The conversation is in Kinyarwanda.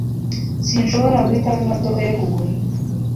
Sinshobora guhitamo imodoka yo kugura